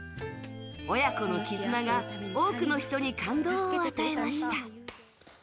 親子の絆が多くの人に感動を与えました。